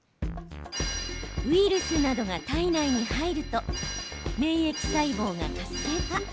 ウイルスなどが体内に入ると免疫細胞が活性化。